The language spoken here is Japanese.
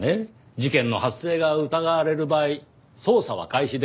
事件の発生が疑われる場合捜査は開始できますが。